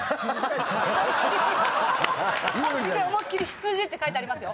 ⁉漢字で思いっ切り「羊」って書いてありますよ。